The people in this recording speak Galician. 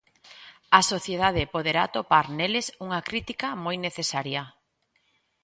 A sociedade poderá atopar neles unha crítica moi necesaria.